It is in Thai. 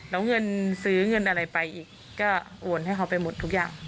แล้วเงินซื้อเงินอะไรไปอีกก็โอนให้เขาไปหมดทุกอย่าง